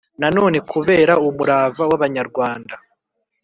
Na none kubera umurava w Abanyarwanda